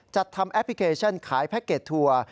จัดทำแอปพลิเคชันขายแพ็คเกจทัวร์